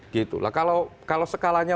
gitu lah kalau skalanya